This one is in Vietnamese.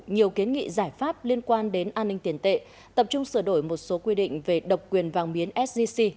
nhiều kiến nghị giải pháp liên quan đến an ninh tiền tệ tập trung sửa đổi một số quy định về độc quyền vàng miếng sgc